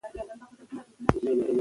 فشار پر مانا اغېز لري.